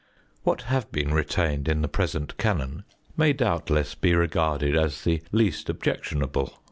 What have been retained in the present Canon may doubtless be regarded as the least objectionable.